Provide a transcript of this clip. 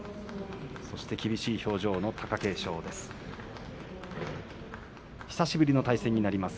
そして厳しい表情の貴景勝です。